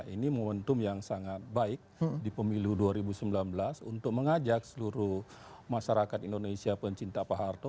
ini momentum yang sangat baik di pemilu dua ribu sembilan belas untuk mengajak seluruh masyarakat indonesia pencinta pak harto